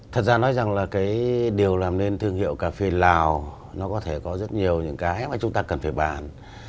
thật ra nói rằng là cái điều làm nên thương hiệu cà phê lào nó có thể có rất nhiều những cái mà chúng ta cần phải bàn